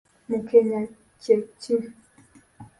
Mukenya kye ki?